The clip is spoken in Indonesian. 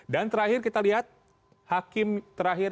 dan terakhir kita lihat hakim terakhir